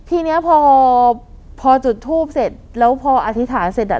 ทีนี้พอพอจุดทูปเสร็จแล้วพออธิษฐานเสร็จอ่ะ